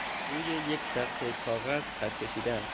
روی یک صفحه کاغذ خط کشیدن